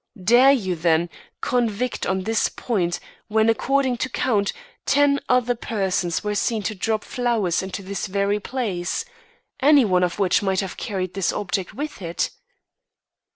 Dare you, then, convict on this point when, according to count, ten other persons were seen to drop flowers into this very place any one of which might have carried this object with it?